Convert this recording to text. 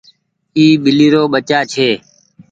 اي ٻلي رو ٻچآ ڇي۔